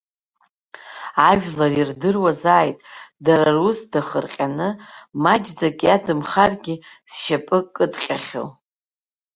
Ажәлар ирдыруазааит, дара рус дахырҟьаны, маҷӡак иадамхаргьы, зшьапы кыдҟьахьоу.